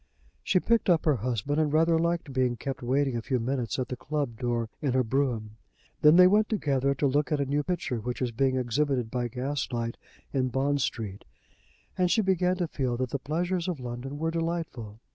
She picked up her husband, and rather liked being kept waiting a few minutes at the club door in her brougham. Then they went together to look at a new picture, which was being exhibited by gas light in Bond Street, and she began to feel that the pleasures of London were delightful.